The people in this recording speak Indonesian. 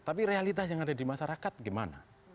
tapi realitas yang ada di masyarakat gimana